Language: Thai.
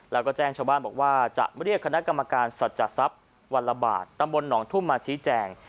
แล้วก็แจ้งชาวบ้านบอกว่าจะเรียกคณะกรรมการสัจทรัพย์วันละบาทตำบลหนองทุ่มมาชี้แจง